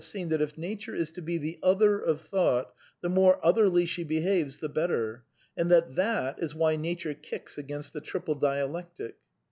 seen that if Nature is to be the " other " of Thought, the ,A inore otherly she behaves the better, and that that is why ' Nature kicks against the Triple Dialectic.